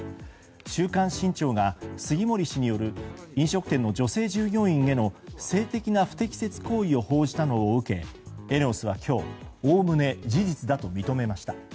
「週刊新潮」が杉森氏による飲食店の女性従業員への性的な不適切行為を報じたのを受けＥＮＥＯＳは今日おおむね事実だと認めました。